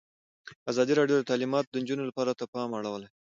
ازادي راډیو د تعلیمات د نجونو لپاره ته پام اړولی.